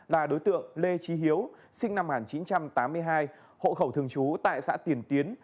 là đối tượng lê trí hiếu sinh năm một nghìn chín trăm tám mươi hai hộ khẩu thường trú tại xã tiền tiến